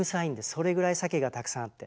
それぐらいサケがたくさんあって。